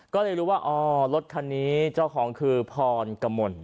ก็เลยรู้ว่าอ๋อรถคันนี้เจ้าของคือพรกมล